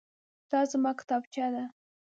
دا زما کتابچه ده.